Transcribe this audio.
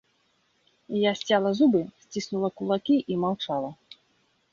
Я сцяла зубы, сціснула кулакі і маўчала.